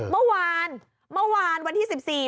เมื่อวานวันที่๑๔